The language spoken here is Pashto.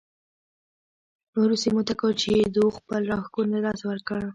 نورو سیمو ته کوچېدو خپل راښکون له لاسه ورکړ